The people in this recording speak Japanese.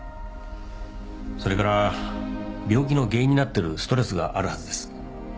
それから病気の原因になってるストレスがあるはずです。